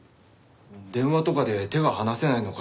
電話とかで手が離せないのかなって。